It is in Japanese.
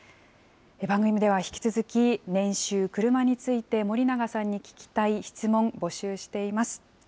番組では引き続き、年収、クルマについて、森永さんに聞きたい質問、募集しています。